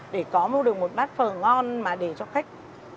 để có mua được một bát phở ngon mà để cho khách